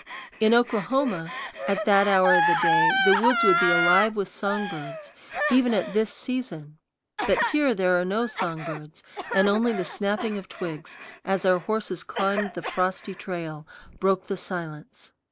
In Oklahoma, at that hour of the day, the woods would be alive with song birds, even at this season; but here there are no song birds, and only the snapping of twigs, as our horses climbed the frosty trail, broke the silence.